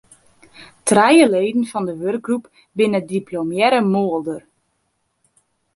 Trije leden fan de wurkgroep binne diplomearre moolder.